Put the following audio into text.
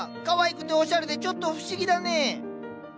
かわいくておしゃれでちょっと不思議だねぇ！